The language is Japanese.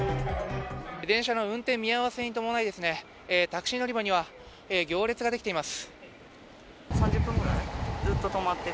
電車の運転見合わせに伴いタクシー乗り場には行列ができています。